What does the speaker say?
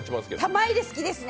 玉入れ好きですね。